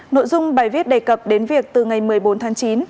nội dung bài viết đề cập đến việc từ ngày một mươi bốn tháng chín